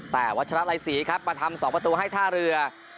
แต่วัชละไลศรีครับมาทำ๒ประตูให้ท่าเรือ